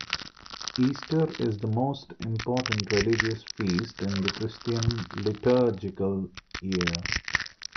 Easter is the most important religious feast in the Christian liturgical year.